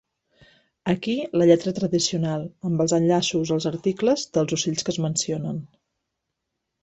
Aquí la lletra tradicional, amb els enllaços als articles dels ocells que es mencionen.